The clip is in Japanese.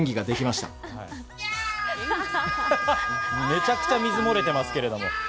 めちゃくちゃ水漏れてますけど。